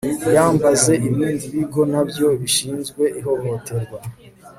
iyambaze ibindi bigo nabyo bishinzwe ihohoterwa